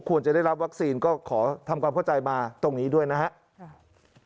ควรจะได้รับวัคซีนก็ขอทำความเข้าใจมาตรงนี้ด้วยนะครับ